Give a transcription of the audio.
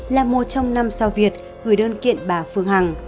là một trong năm sao việt gửi đơn kiện bà phương hằng